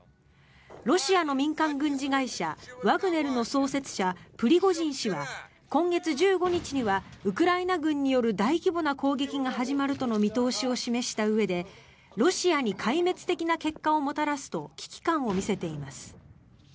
ロシアの民間軍事会社ワグネルの創設者、プリゴジン氏は今月１５日にはウクライナ軍による大規模な攻撃が始まるとの見通しを示したうえでロシアに壊滅的な結果をもたらすと危機感を見せています。